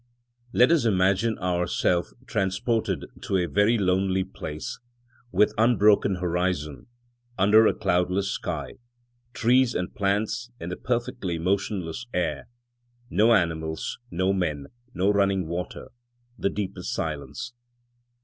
Let us imagine ourselves transported to a very lonely place, with unbroken horizon, under a cloudless sky, trees and plants in the perfectly motionless air, no animals, no men, no running water, the deepest silence.